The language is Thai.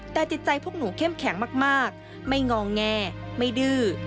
แต่จิตใจพวกหนูเข้มแข็งมากไม่งอแงไม่ดื้อ